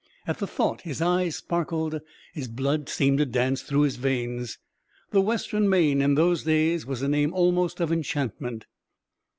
At the thought his eyes sparkled, his blood seemed to dance through his veins. The western main, in those days, was a name almost of enchantment.